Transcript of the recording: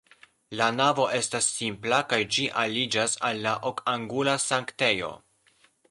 La navo estas simpla kaj ĝi aliĝas al la okangula sanktejo.